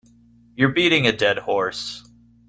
You're beating a dead horse